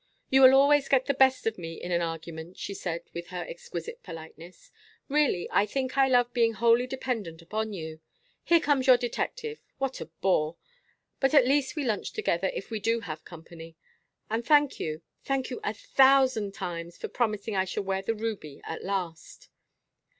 "You will always get the best of me in an argument," she said with her exquisite politeness. "Really, I think I love being wholly dependent upon you. Here comes your detective. What a bore. But at least we lunch together if we do have company. And thank you, thank you a thousand times for promising I shall wear the ruby at last."